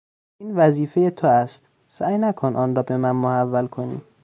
این وظیفهی تو است، سعی نکن آن را به من محول کنی!